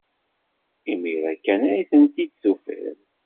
Imir-a kan ay tent-id-tufid.